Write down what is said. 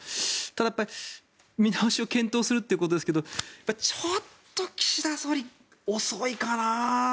ただ、見直しを検討するということですがちょっと岸田総理、遅いかな。